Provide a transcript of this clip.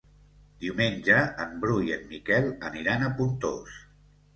Diumenge en Bru i en Miquel aniran a Pontós.